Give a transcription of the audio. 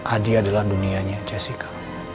adi adalah dunianya jessica